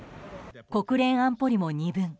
国連安保理も二分。